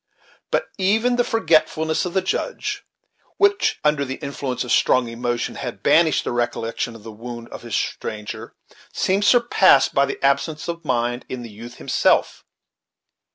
But even the forgetfulness of the Judge, which, under the influence of strong emotion, had banished the recollection of the wound of this stranger, seemed surpassed by the absence of mind in the youth himself.